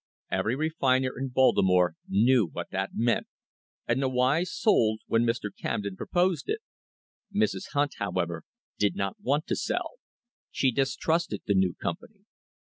Every refiner in Baltimore knew what that meant, and the wise sold when Mr. Camden proposed it. Mrs. Hunt, however, did not want to sell. She distrusted the new company.